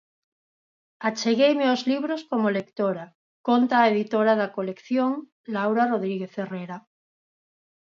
Achegueime aos libros como lectora, conta a editora da colección, Laura Rodríguez Herrera.